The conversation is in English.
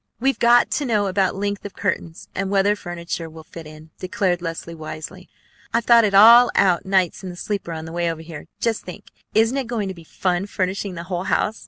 "We've got to know about length of curtains, and whether furniture will fit in," declared Leslie wisely. "I've thought it all out nights in the sleeper on the way over here. Just think! Isn't it going to be fun furnishing the whole house?